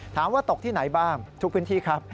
ตกที่ไหนบ้างทุกพื้นที่ครับ